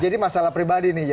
jadi masalah pribadi nih